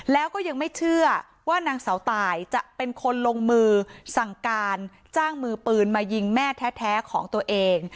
แล้วก็ยังไม่เชื่อว่านางเสาตายจะเป็นคนลงมือสั่งการจ้างมือปืนมายิงแม่แท้ของตัวเอง